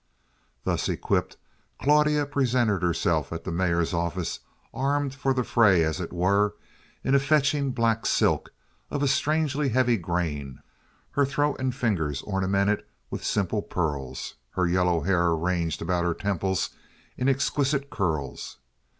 Thus equipped, Claudia presented herself at the mayor's office armed for the fray, as it were, in a fetching black silk of a strangely heavy grain, her throat and fingers ornamented with simple pearls, her yellow hair arranged about her temples in exquisite curls.